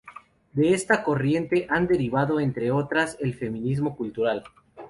De esta corriente han derivado, entre otras, el feminismo cultural.